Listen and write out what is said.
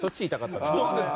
どうですか？